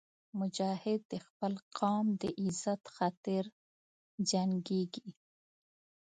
مجاهد د خپل قوم د عزت خاطر جنګېږي.